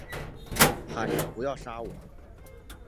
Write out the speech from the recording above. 喊着不要杀我